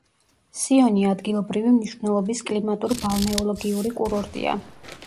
სიონი ადგილობრივი მნიშვნელობის კლიმატურ-ბალნეოლოგიური კურორტია.